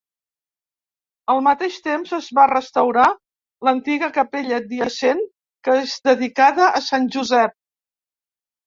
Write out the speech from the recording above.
Al mateix temps es va restaurar l'antiga capella adjacent que és dedicada a Sant Josep.